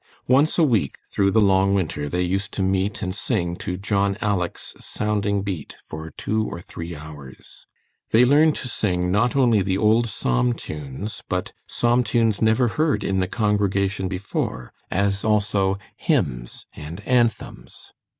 Once a week, through the long winter, they used to meet and sing to John "Aleck's" sounding beat for two or three hours. They learned to sing, not only the old psalm tunes but psalm tunes never heard in the congregation before, as also hymns and anthems.